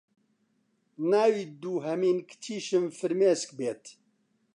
ناوی دوهەمین کچیشم فرمێسک بێت